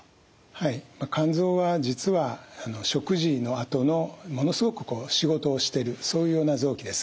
はい肝臓は実は食事のあとのものすごくこう仕事をしてるそういうような臓器です。